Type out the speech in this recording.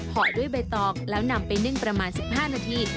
ห่อด้วยใบตองแล้วนำไปนึ่งประมาณ๑๕นาที